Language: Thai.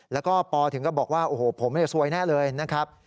แล้วก็ปอถึงก็บอกว่าโอ้โหผมซวยแน่เลยนะครับ